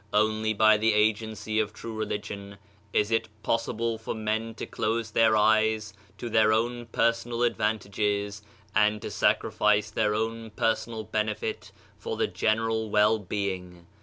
Only by the agency of true religion is it possible for men to close their eyes to their own personal advantages and to sacri fice their own personal benefit for the general well being.